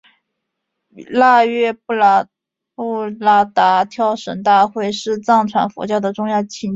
腊月布拉达跳神大会是藏传佛教的重要节庆。